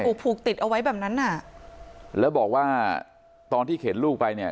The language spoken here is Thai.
ถูกผูกติดเอาไว้แบบนั้นน่ะแล้วบอกว่าตอนที่เข็นลูกไปเนี่ย